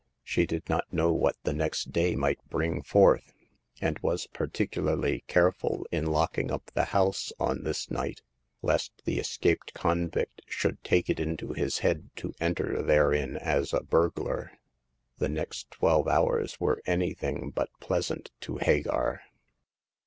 She did not know what the next day 286 Hagar of the Pawn Shop. might bring forth, and was particularly careful in locking up the house on this night, lest the escaped convict should take it into his head to enter therein as a burglar. The next twelve hours were anything but pleasant to Hagar.